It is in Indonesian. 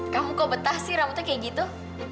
kamu kok betah sih rambutnya kayak gitu